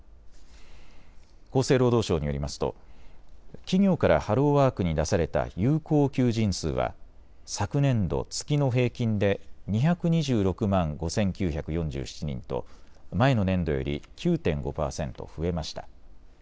厚生労働省によりますと企業からハローワークに出された有効求人数は昨年度、月の平均で２２６万５９４７人と前の年度より９．５％増えました。